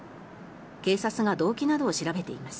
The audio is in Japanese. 警察が動機などを調べています。